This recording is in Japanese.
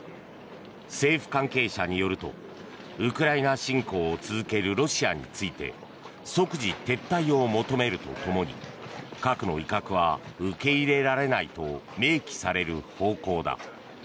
政府関係者によるとウクライナ侵攻を続けるロシアについて即時撤退を求めるとともに核の威嚇は受け入れられないと明記される方向だ。